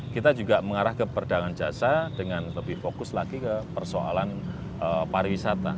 kita juga mengarah ke perdagangan jasa dengan lebih fokus lagi ke persoalan pariwisata